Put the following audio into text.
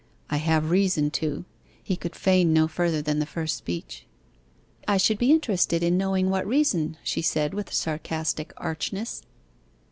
'I have reason to.' He could feign no further than the first speech. 'I should be interested in knowing what reason?' she said, with sarcastic archness.